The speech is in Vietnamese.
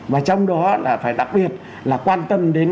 và trong đó là phải đặc biệt là quan tâm đến